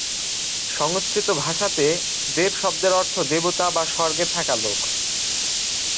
সংস্কৃত ভাষাতে 'দেব' শব্দের অর্থ দেবতা বা স্বর্গে থাকা লোক।